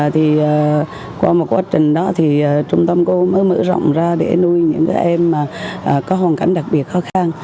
thì qua một quá trình đó thì trung tâm cô mới mở rộng ra để nuôi những em có hoàn cảnh đặc biệt khó khăn